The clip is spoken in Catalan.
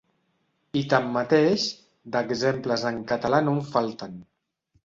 I tanmateix, d'exemples en català no en falten.